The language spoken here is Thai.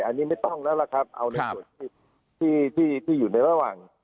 อันนี้ไม่ต้องแล้วล่ะครับเอาในส่วนที่อยู่ในระหว่าง